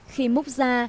khi múc ra